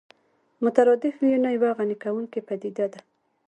مترادف ويونه يوه غني کوونکې پدیده